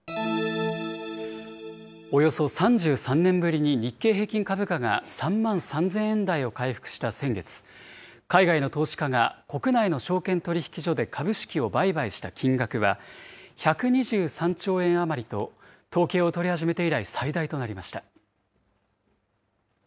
およそ３３年ぶりに日経平均株価が３万３０００円台を回復した先月、海外の投資家が国内の証券取引所で株式を売買した金額は、１２３兆円余りと、統計を取り始めて以来最大となりました。